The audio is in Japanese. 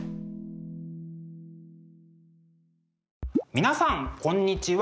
皆さんこんにちは。